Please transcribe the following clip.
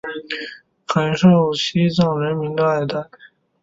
很受西藏人民的爱戴。